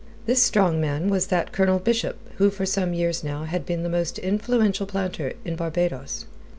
This strong man was that Colonel Bishop who for some years now had been the most influential planter in Barbados.